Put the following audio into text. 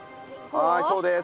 はいそうです。